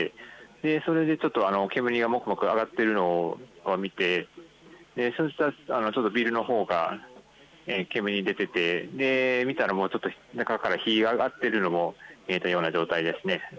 それで、煙がもくもくと上がっているのを見て、そうするとビルのほうから煙が出ていて見たら中から火が上がっているのも見えたような状態です。